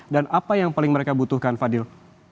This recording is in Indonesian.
dan apa yang paling mereka butuhkan fadil